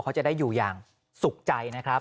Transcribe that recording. เขาจะได้อยู่อย่างสุขใจนะครับ